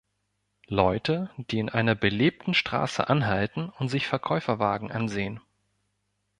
Leute, die in einer belebten Straße anhalten und sich Verkäuferwagen ansehen.